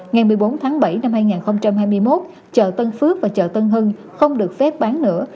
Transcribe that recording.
ngày một mươi bốn tháng bảy năm hai nghìn hai mươi một chợ tân phước và chợ tân hưng không được phép bán nữa